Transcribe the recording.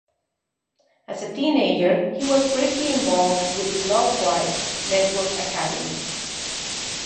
As a teenager, he was briefly involved with the Globewide Network Academy.